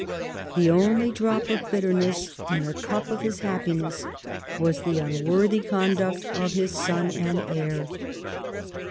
The only drop of bitterness in the cup of his happiness was the unworthy conduct of his son and heir.